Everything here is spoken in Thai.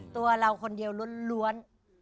ตัวเราคนเดียวล้วน